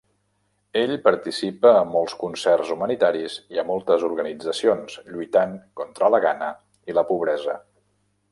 Ell participa a molts concerts humanitaris i a moltes organitzacions lluitant contra la gana i la pobresa.